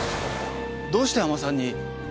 どうして海女さんに？